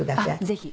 ぜひ。